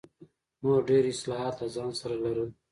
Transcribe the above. نور ډېر اصلاحات له ځان سره لرل.